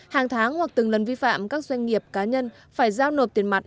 hàng tháng hoặc từng lần vi phạm các doanh nghiệp cá nhân phải giao nộp tiền mặt